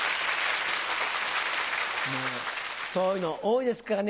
そういうの多いですからね。